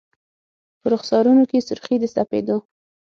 په رخسارونو کي سر خې د سپید و